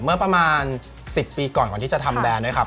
เมื่อประมาณ๑๐ปีก่อนก่อนที่จะทำแรนด์ด้วยครับ